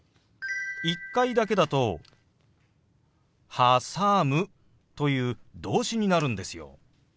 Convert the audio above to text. １回だけだと「はさむ」という動詞になるんですよ。